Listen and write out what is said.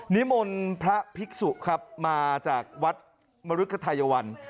นิมนต์พระภิกษุครับมาจากวัดมรุกไทยวัน